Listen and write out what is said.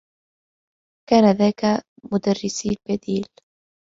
كان ذاك مدرّسي البديل.